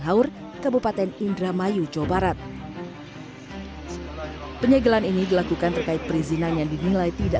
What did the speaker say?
haur kabupaten indramayu jawa barat penyegelan ini dilakukan terkait perizinan yang dinilai tidak